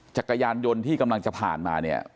จักรยานยนต์ที่กำลังจะผ่านมาเนี่ย